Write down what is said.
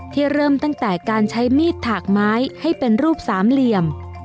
เริ่มตั้งแต่การใช้มีดถากไม้ให้เป็นรูปสามเหลี่ยม